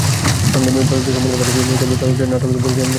চলচ্চিত্র সম্পাদনার পাশাপাশি তিনি চলচ্চিত্র ও নাটক পরিচালনা করেছেন।